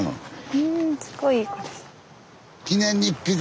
うんすごいいい子です。